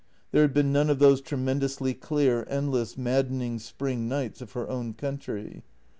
There had been none of those tremendously clear, endless, maddening spring nights of her own country.